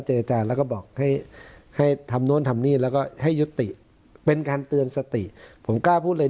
อาจารย์แล้วก็บอกให้ให้ทำโน้นทำนี่แล้วก็ให้ยุติเป็นการเตือนสติผมกล้าพูดเลย